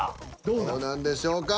どうなんでしょうか？